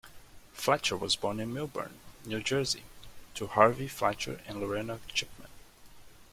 Fletcher was born in Millburn, New Jersey to Harvey Fletcher and Lorena Chipman.